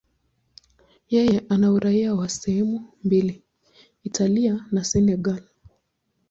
Yeye ana uraia wa sehemu mbili, Italia na Senegal.